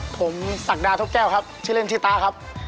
ผมศักดาทกแก้วครับชื่อเล่นชื่อตาครับ